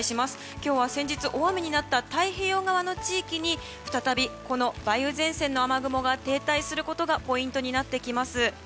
今日は先日、大雨になった太平洋側の地域に再び梅雨前線の雨雲が停滞することがポイントになってきます。